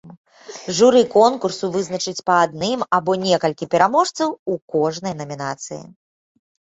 Журы конкурсу вызначыць па адным або некалькі пераможцаў у кожнай намінацыі.